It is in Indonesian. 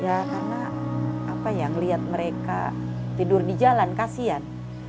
ya karena apa ya ngeliat mereka tidur di jalan kasihan